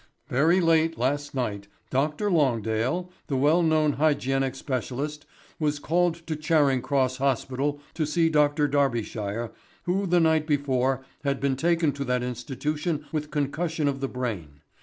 "Very late last night Dr. Longdale the well known hygienic specialist was called to Charing Cross Hospital to see Dr. Darbyshire who the night before had been taken to that institution with concussion of the brain.